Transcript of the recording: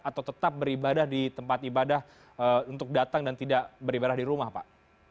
atau tetap beribadah di tempat ibadah untuk datang dan tidak beribadah di rumah pak